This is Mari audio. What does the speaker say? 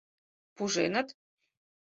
— Пуженыт?